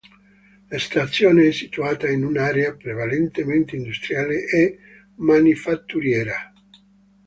La stazione è situata in un'area prevalentemente industriale e manifatturiera.